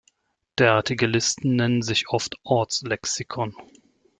Derartige Listen nennen sich oft "Ortslexikon".